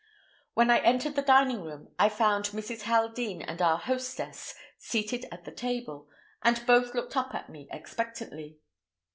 When I entered the dining room, I found Mrs. Haldean and our hostess seated at the table, and both looked up at me expectantly.